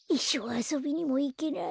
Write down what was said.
あそびにもいけない。